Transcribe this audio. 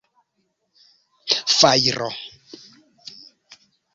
Fajro!